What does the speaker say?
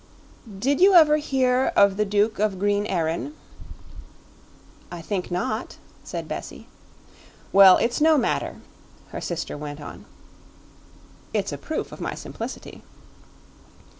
"Did you ever hear of the Duke of Green Erin?" "I think not," said Bessie. "Well, it's no matter," her sister went on. "It's a proof of my simplicity."